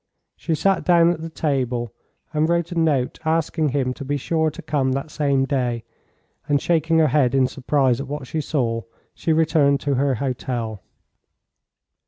She sat down at the table and wrote a note asking him to be sure to come that same day, and shaking her head in surprise at what she saw, she returned to her hotel.